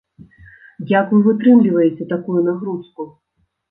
Як вы вытрымліваеце такую нагрузку?